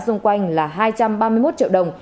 xung quanh là hai trăm ba mươi một triệu đồng